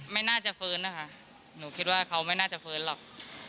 ไม่นะจะเฟินฮะหนูคิดว่าเขาไม่น่าเฟินหรอก